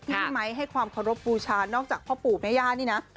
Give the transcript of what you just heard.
พี่ไมค์ให้ความเคารพบูชานอกจากพ่อปู่แม่ย่านี่นะ